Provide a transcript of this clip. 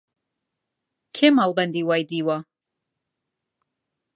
کێ مەڵبەندی وای دیوە؟